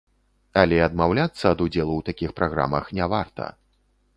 Але адмаўляцца ад удзелу ў такіх праграмах не варта.